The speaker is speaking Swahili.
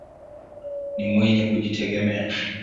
Ni mwenye kujitegemea.